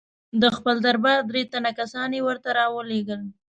د خپل دربار درې تنه کسان یې ورته را ولېږل.